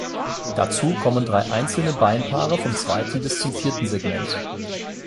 Dazu kommen drei einzelne Beinpaare vom zweiten bis zum vierten Segment.